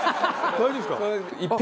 大丈夫ですか？